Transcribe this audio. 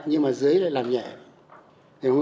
nhưng mà dưới lại làm nhẹ